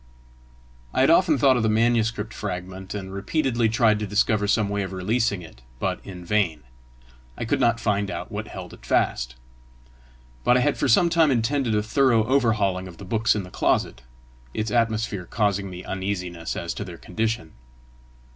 I had often thought of the manuscript fragment, and repeatedly tried to discover some way of releasing it, but in vain: I could not find out what held it fast. But I had for some time intended a thorough overhauling of the books in the closet, its atmosphere causing me uneasiness as to their condition.